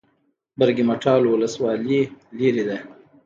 برګ مټال ولسوالۍ لیرې ده؟